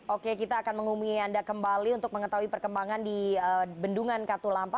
oke kita akan menghubungi anda kembali untuk mengetahui perkembangan di bendungan katulampa